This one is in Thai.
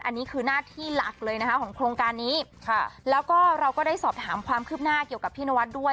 อันนี้คือหน้าที่หลักเลยนะคะของโครงการนี้ค่ะแล้วก็เราก็ได้สอบถามความคืบหน้าเกี่ยวกับพี่นวัดด้วย